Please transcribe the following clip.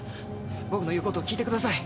僕の言う事を聞いてください。